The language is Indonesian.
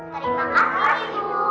terima kasih ibu